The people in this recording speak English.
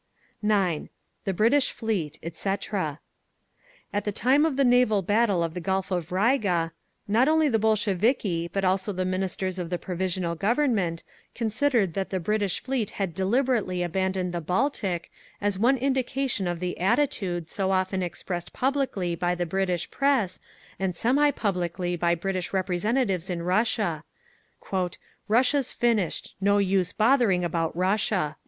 THE BRITISH FLEET (etc.) At the time of the naval battle of the Gulf of Riga, not only the Bolsheviki, but also the Ministers of the Provisional Government, considered that the British Fleet had deliberately abandoned the Baltic, as one indication of the attitude so often expressed publicly by the British press, and semi publicly by British representatives in Russia, "Russia's finished! No use bothering about Russia!"